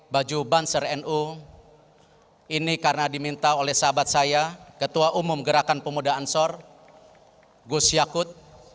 baju banser nu ini karena diminta oleh sahabat saya ketua umum gerakan pemuda ansor gus yakut